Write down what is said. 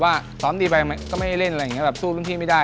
คิดไหวว่าเหมือนพวกนี้คือคนดูขี่เก๊กไหม